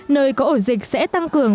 nơi có ổ dịch sẽ tăng cường